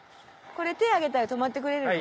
これ手上げたら止まってくれるの？